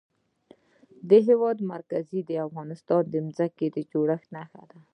د هېواد مرکز د افغانستان د ځمکې د جوړښت نښه ده.